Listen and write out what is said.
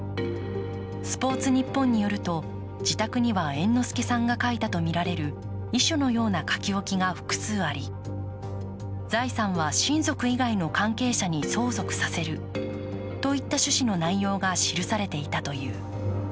「スポーツニッポン」によると自宅には猿之助さんが書いたとみられる遺書のような書き置きが複数あり財産は親族以外の関係者に相続させるといった趣旨の内容が記されていたという。